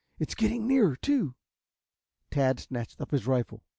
It is getting nearer, too." Tad snatched up his rifle.